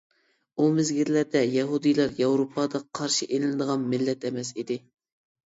ئۇ مەزگىللەردە يەھۇدىيلار ياۋروپادا قارشى ئېلىنىدىغان مىللەت ئەمەس ئىدى.